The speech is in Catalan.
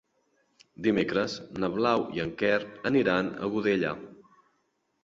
Dimecres na Blau i en Quer aniran a Godella.